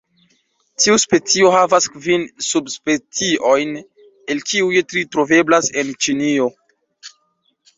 Tiu specio havas kvin subspeciojn, el kiuj tri troveblas en Ĉinio.